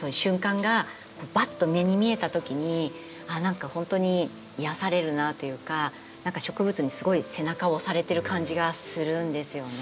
がばっと目に見えたときに何か本当に癒やされるなあというか何か植物にすごい背中を押されてる感じがするんですよね。